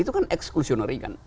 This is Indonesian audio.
itu kan exclusionary kan